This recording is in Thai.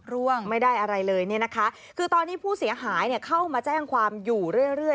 ร่วงไม่ได้อะไรเลยเนี่ยนะคะคือตอนนี้ผู้เสียหายเนี่ยเข้ามาแจ้งความอยู่เรื่อย